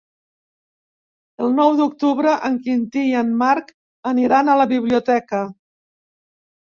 El nou d'octubre en Quintí i en Marc aniran a la biblioteca.